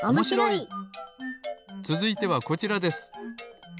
つづいてはこちらです。